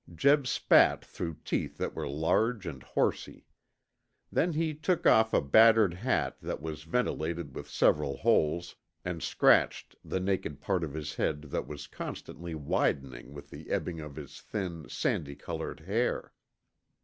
Jeb spat through teeth that were large and horsy. Then he took off a battered hat that was ventilated with several holes, and scratched the naked part of his head that was constantly widening with the ebbing of his thin, sandy colored hair.